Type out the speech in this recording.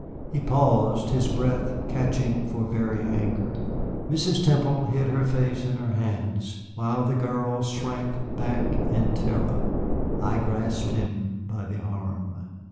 He paused, his breath catching for very anger. Mrs. Temple hid her face in her hands, while the girl shrank back in terror. I grasped him by the arm.